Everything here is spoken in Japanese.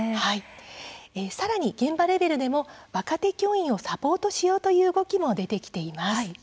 さらに現場レベルでも若手教員をサポートしようという動きも出てきています。